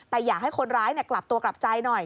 แต่อยากให้คนร้ายกลับตัวกลับใจหน่อย